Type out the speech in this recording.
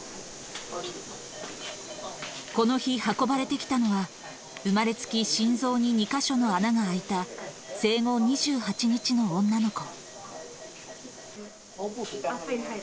この日、運ばれてきたのは、生まれつき心臓に２か所の穴が開いた、生後２８日の女の子。